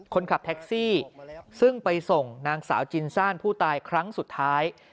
คนขับแท็กซี่ซึ่งไปส่งนางสาวจินซ่านผู้ตายครั้งสุดท้าย